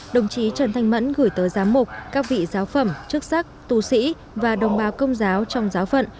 đồng chí trần thanh mẫn gửi tới giám mục các vị giáo phẩm chức sắc tu sĩ và đồng bào công giáo trong giáo phận